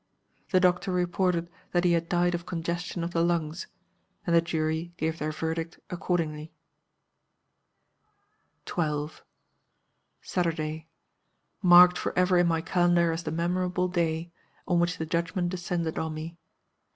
The doctor reported that he had died of congestion of the lungs; and the jury gave their verdict accordingly." 12. "Saturday. Marked forever in my calendar as the memorable day on which the judgment descended on me.